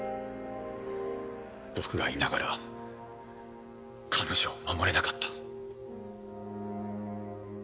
僕がいながら彼女を守れなかった。